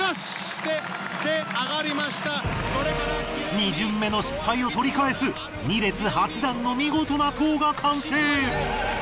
２巡目の失敗を取り返す２列８段の見事な塔が完成。